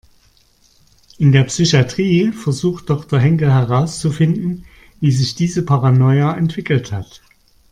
In der Psychatrie versucht Doktor Henkel herauszufinden, wie sich diese Paranoia entwickelt hat.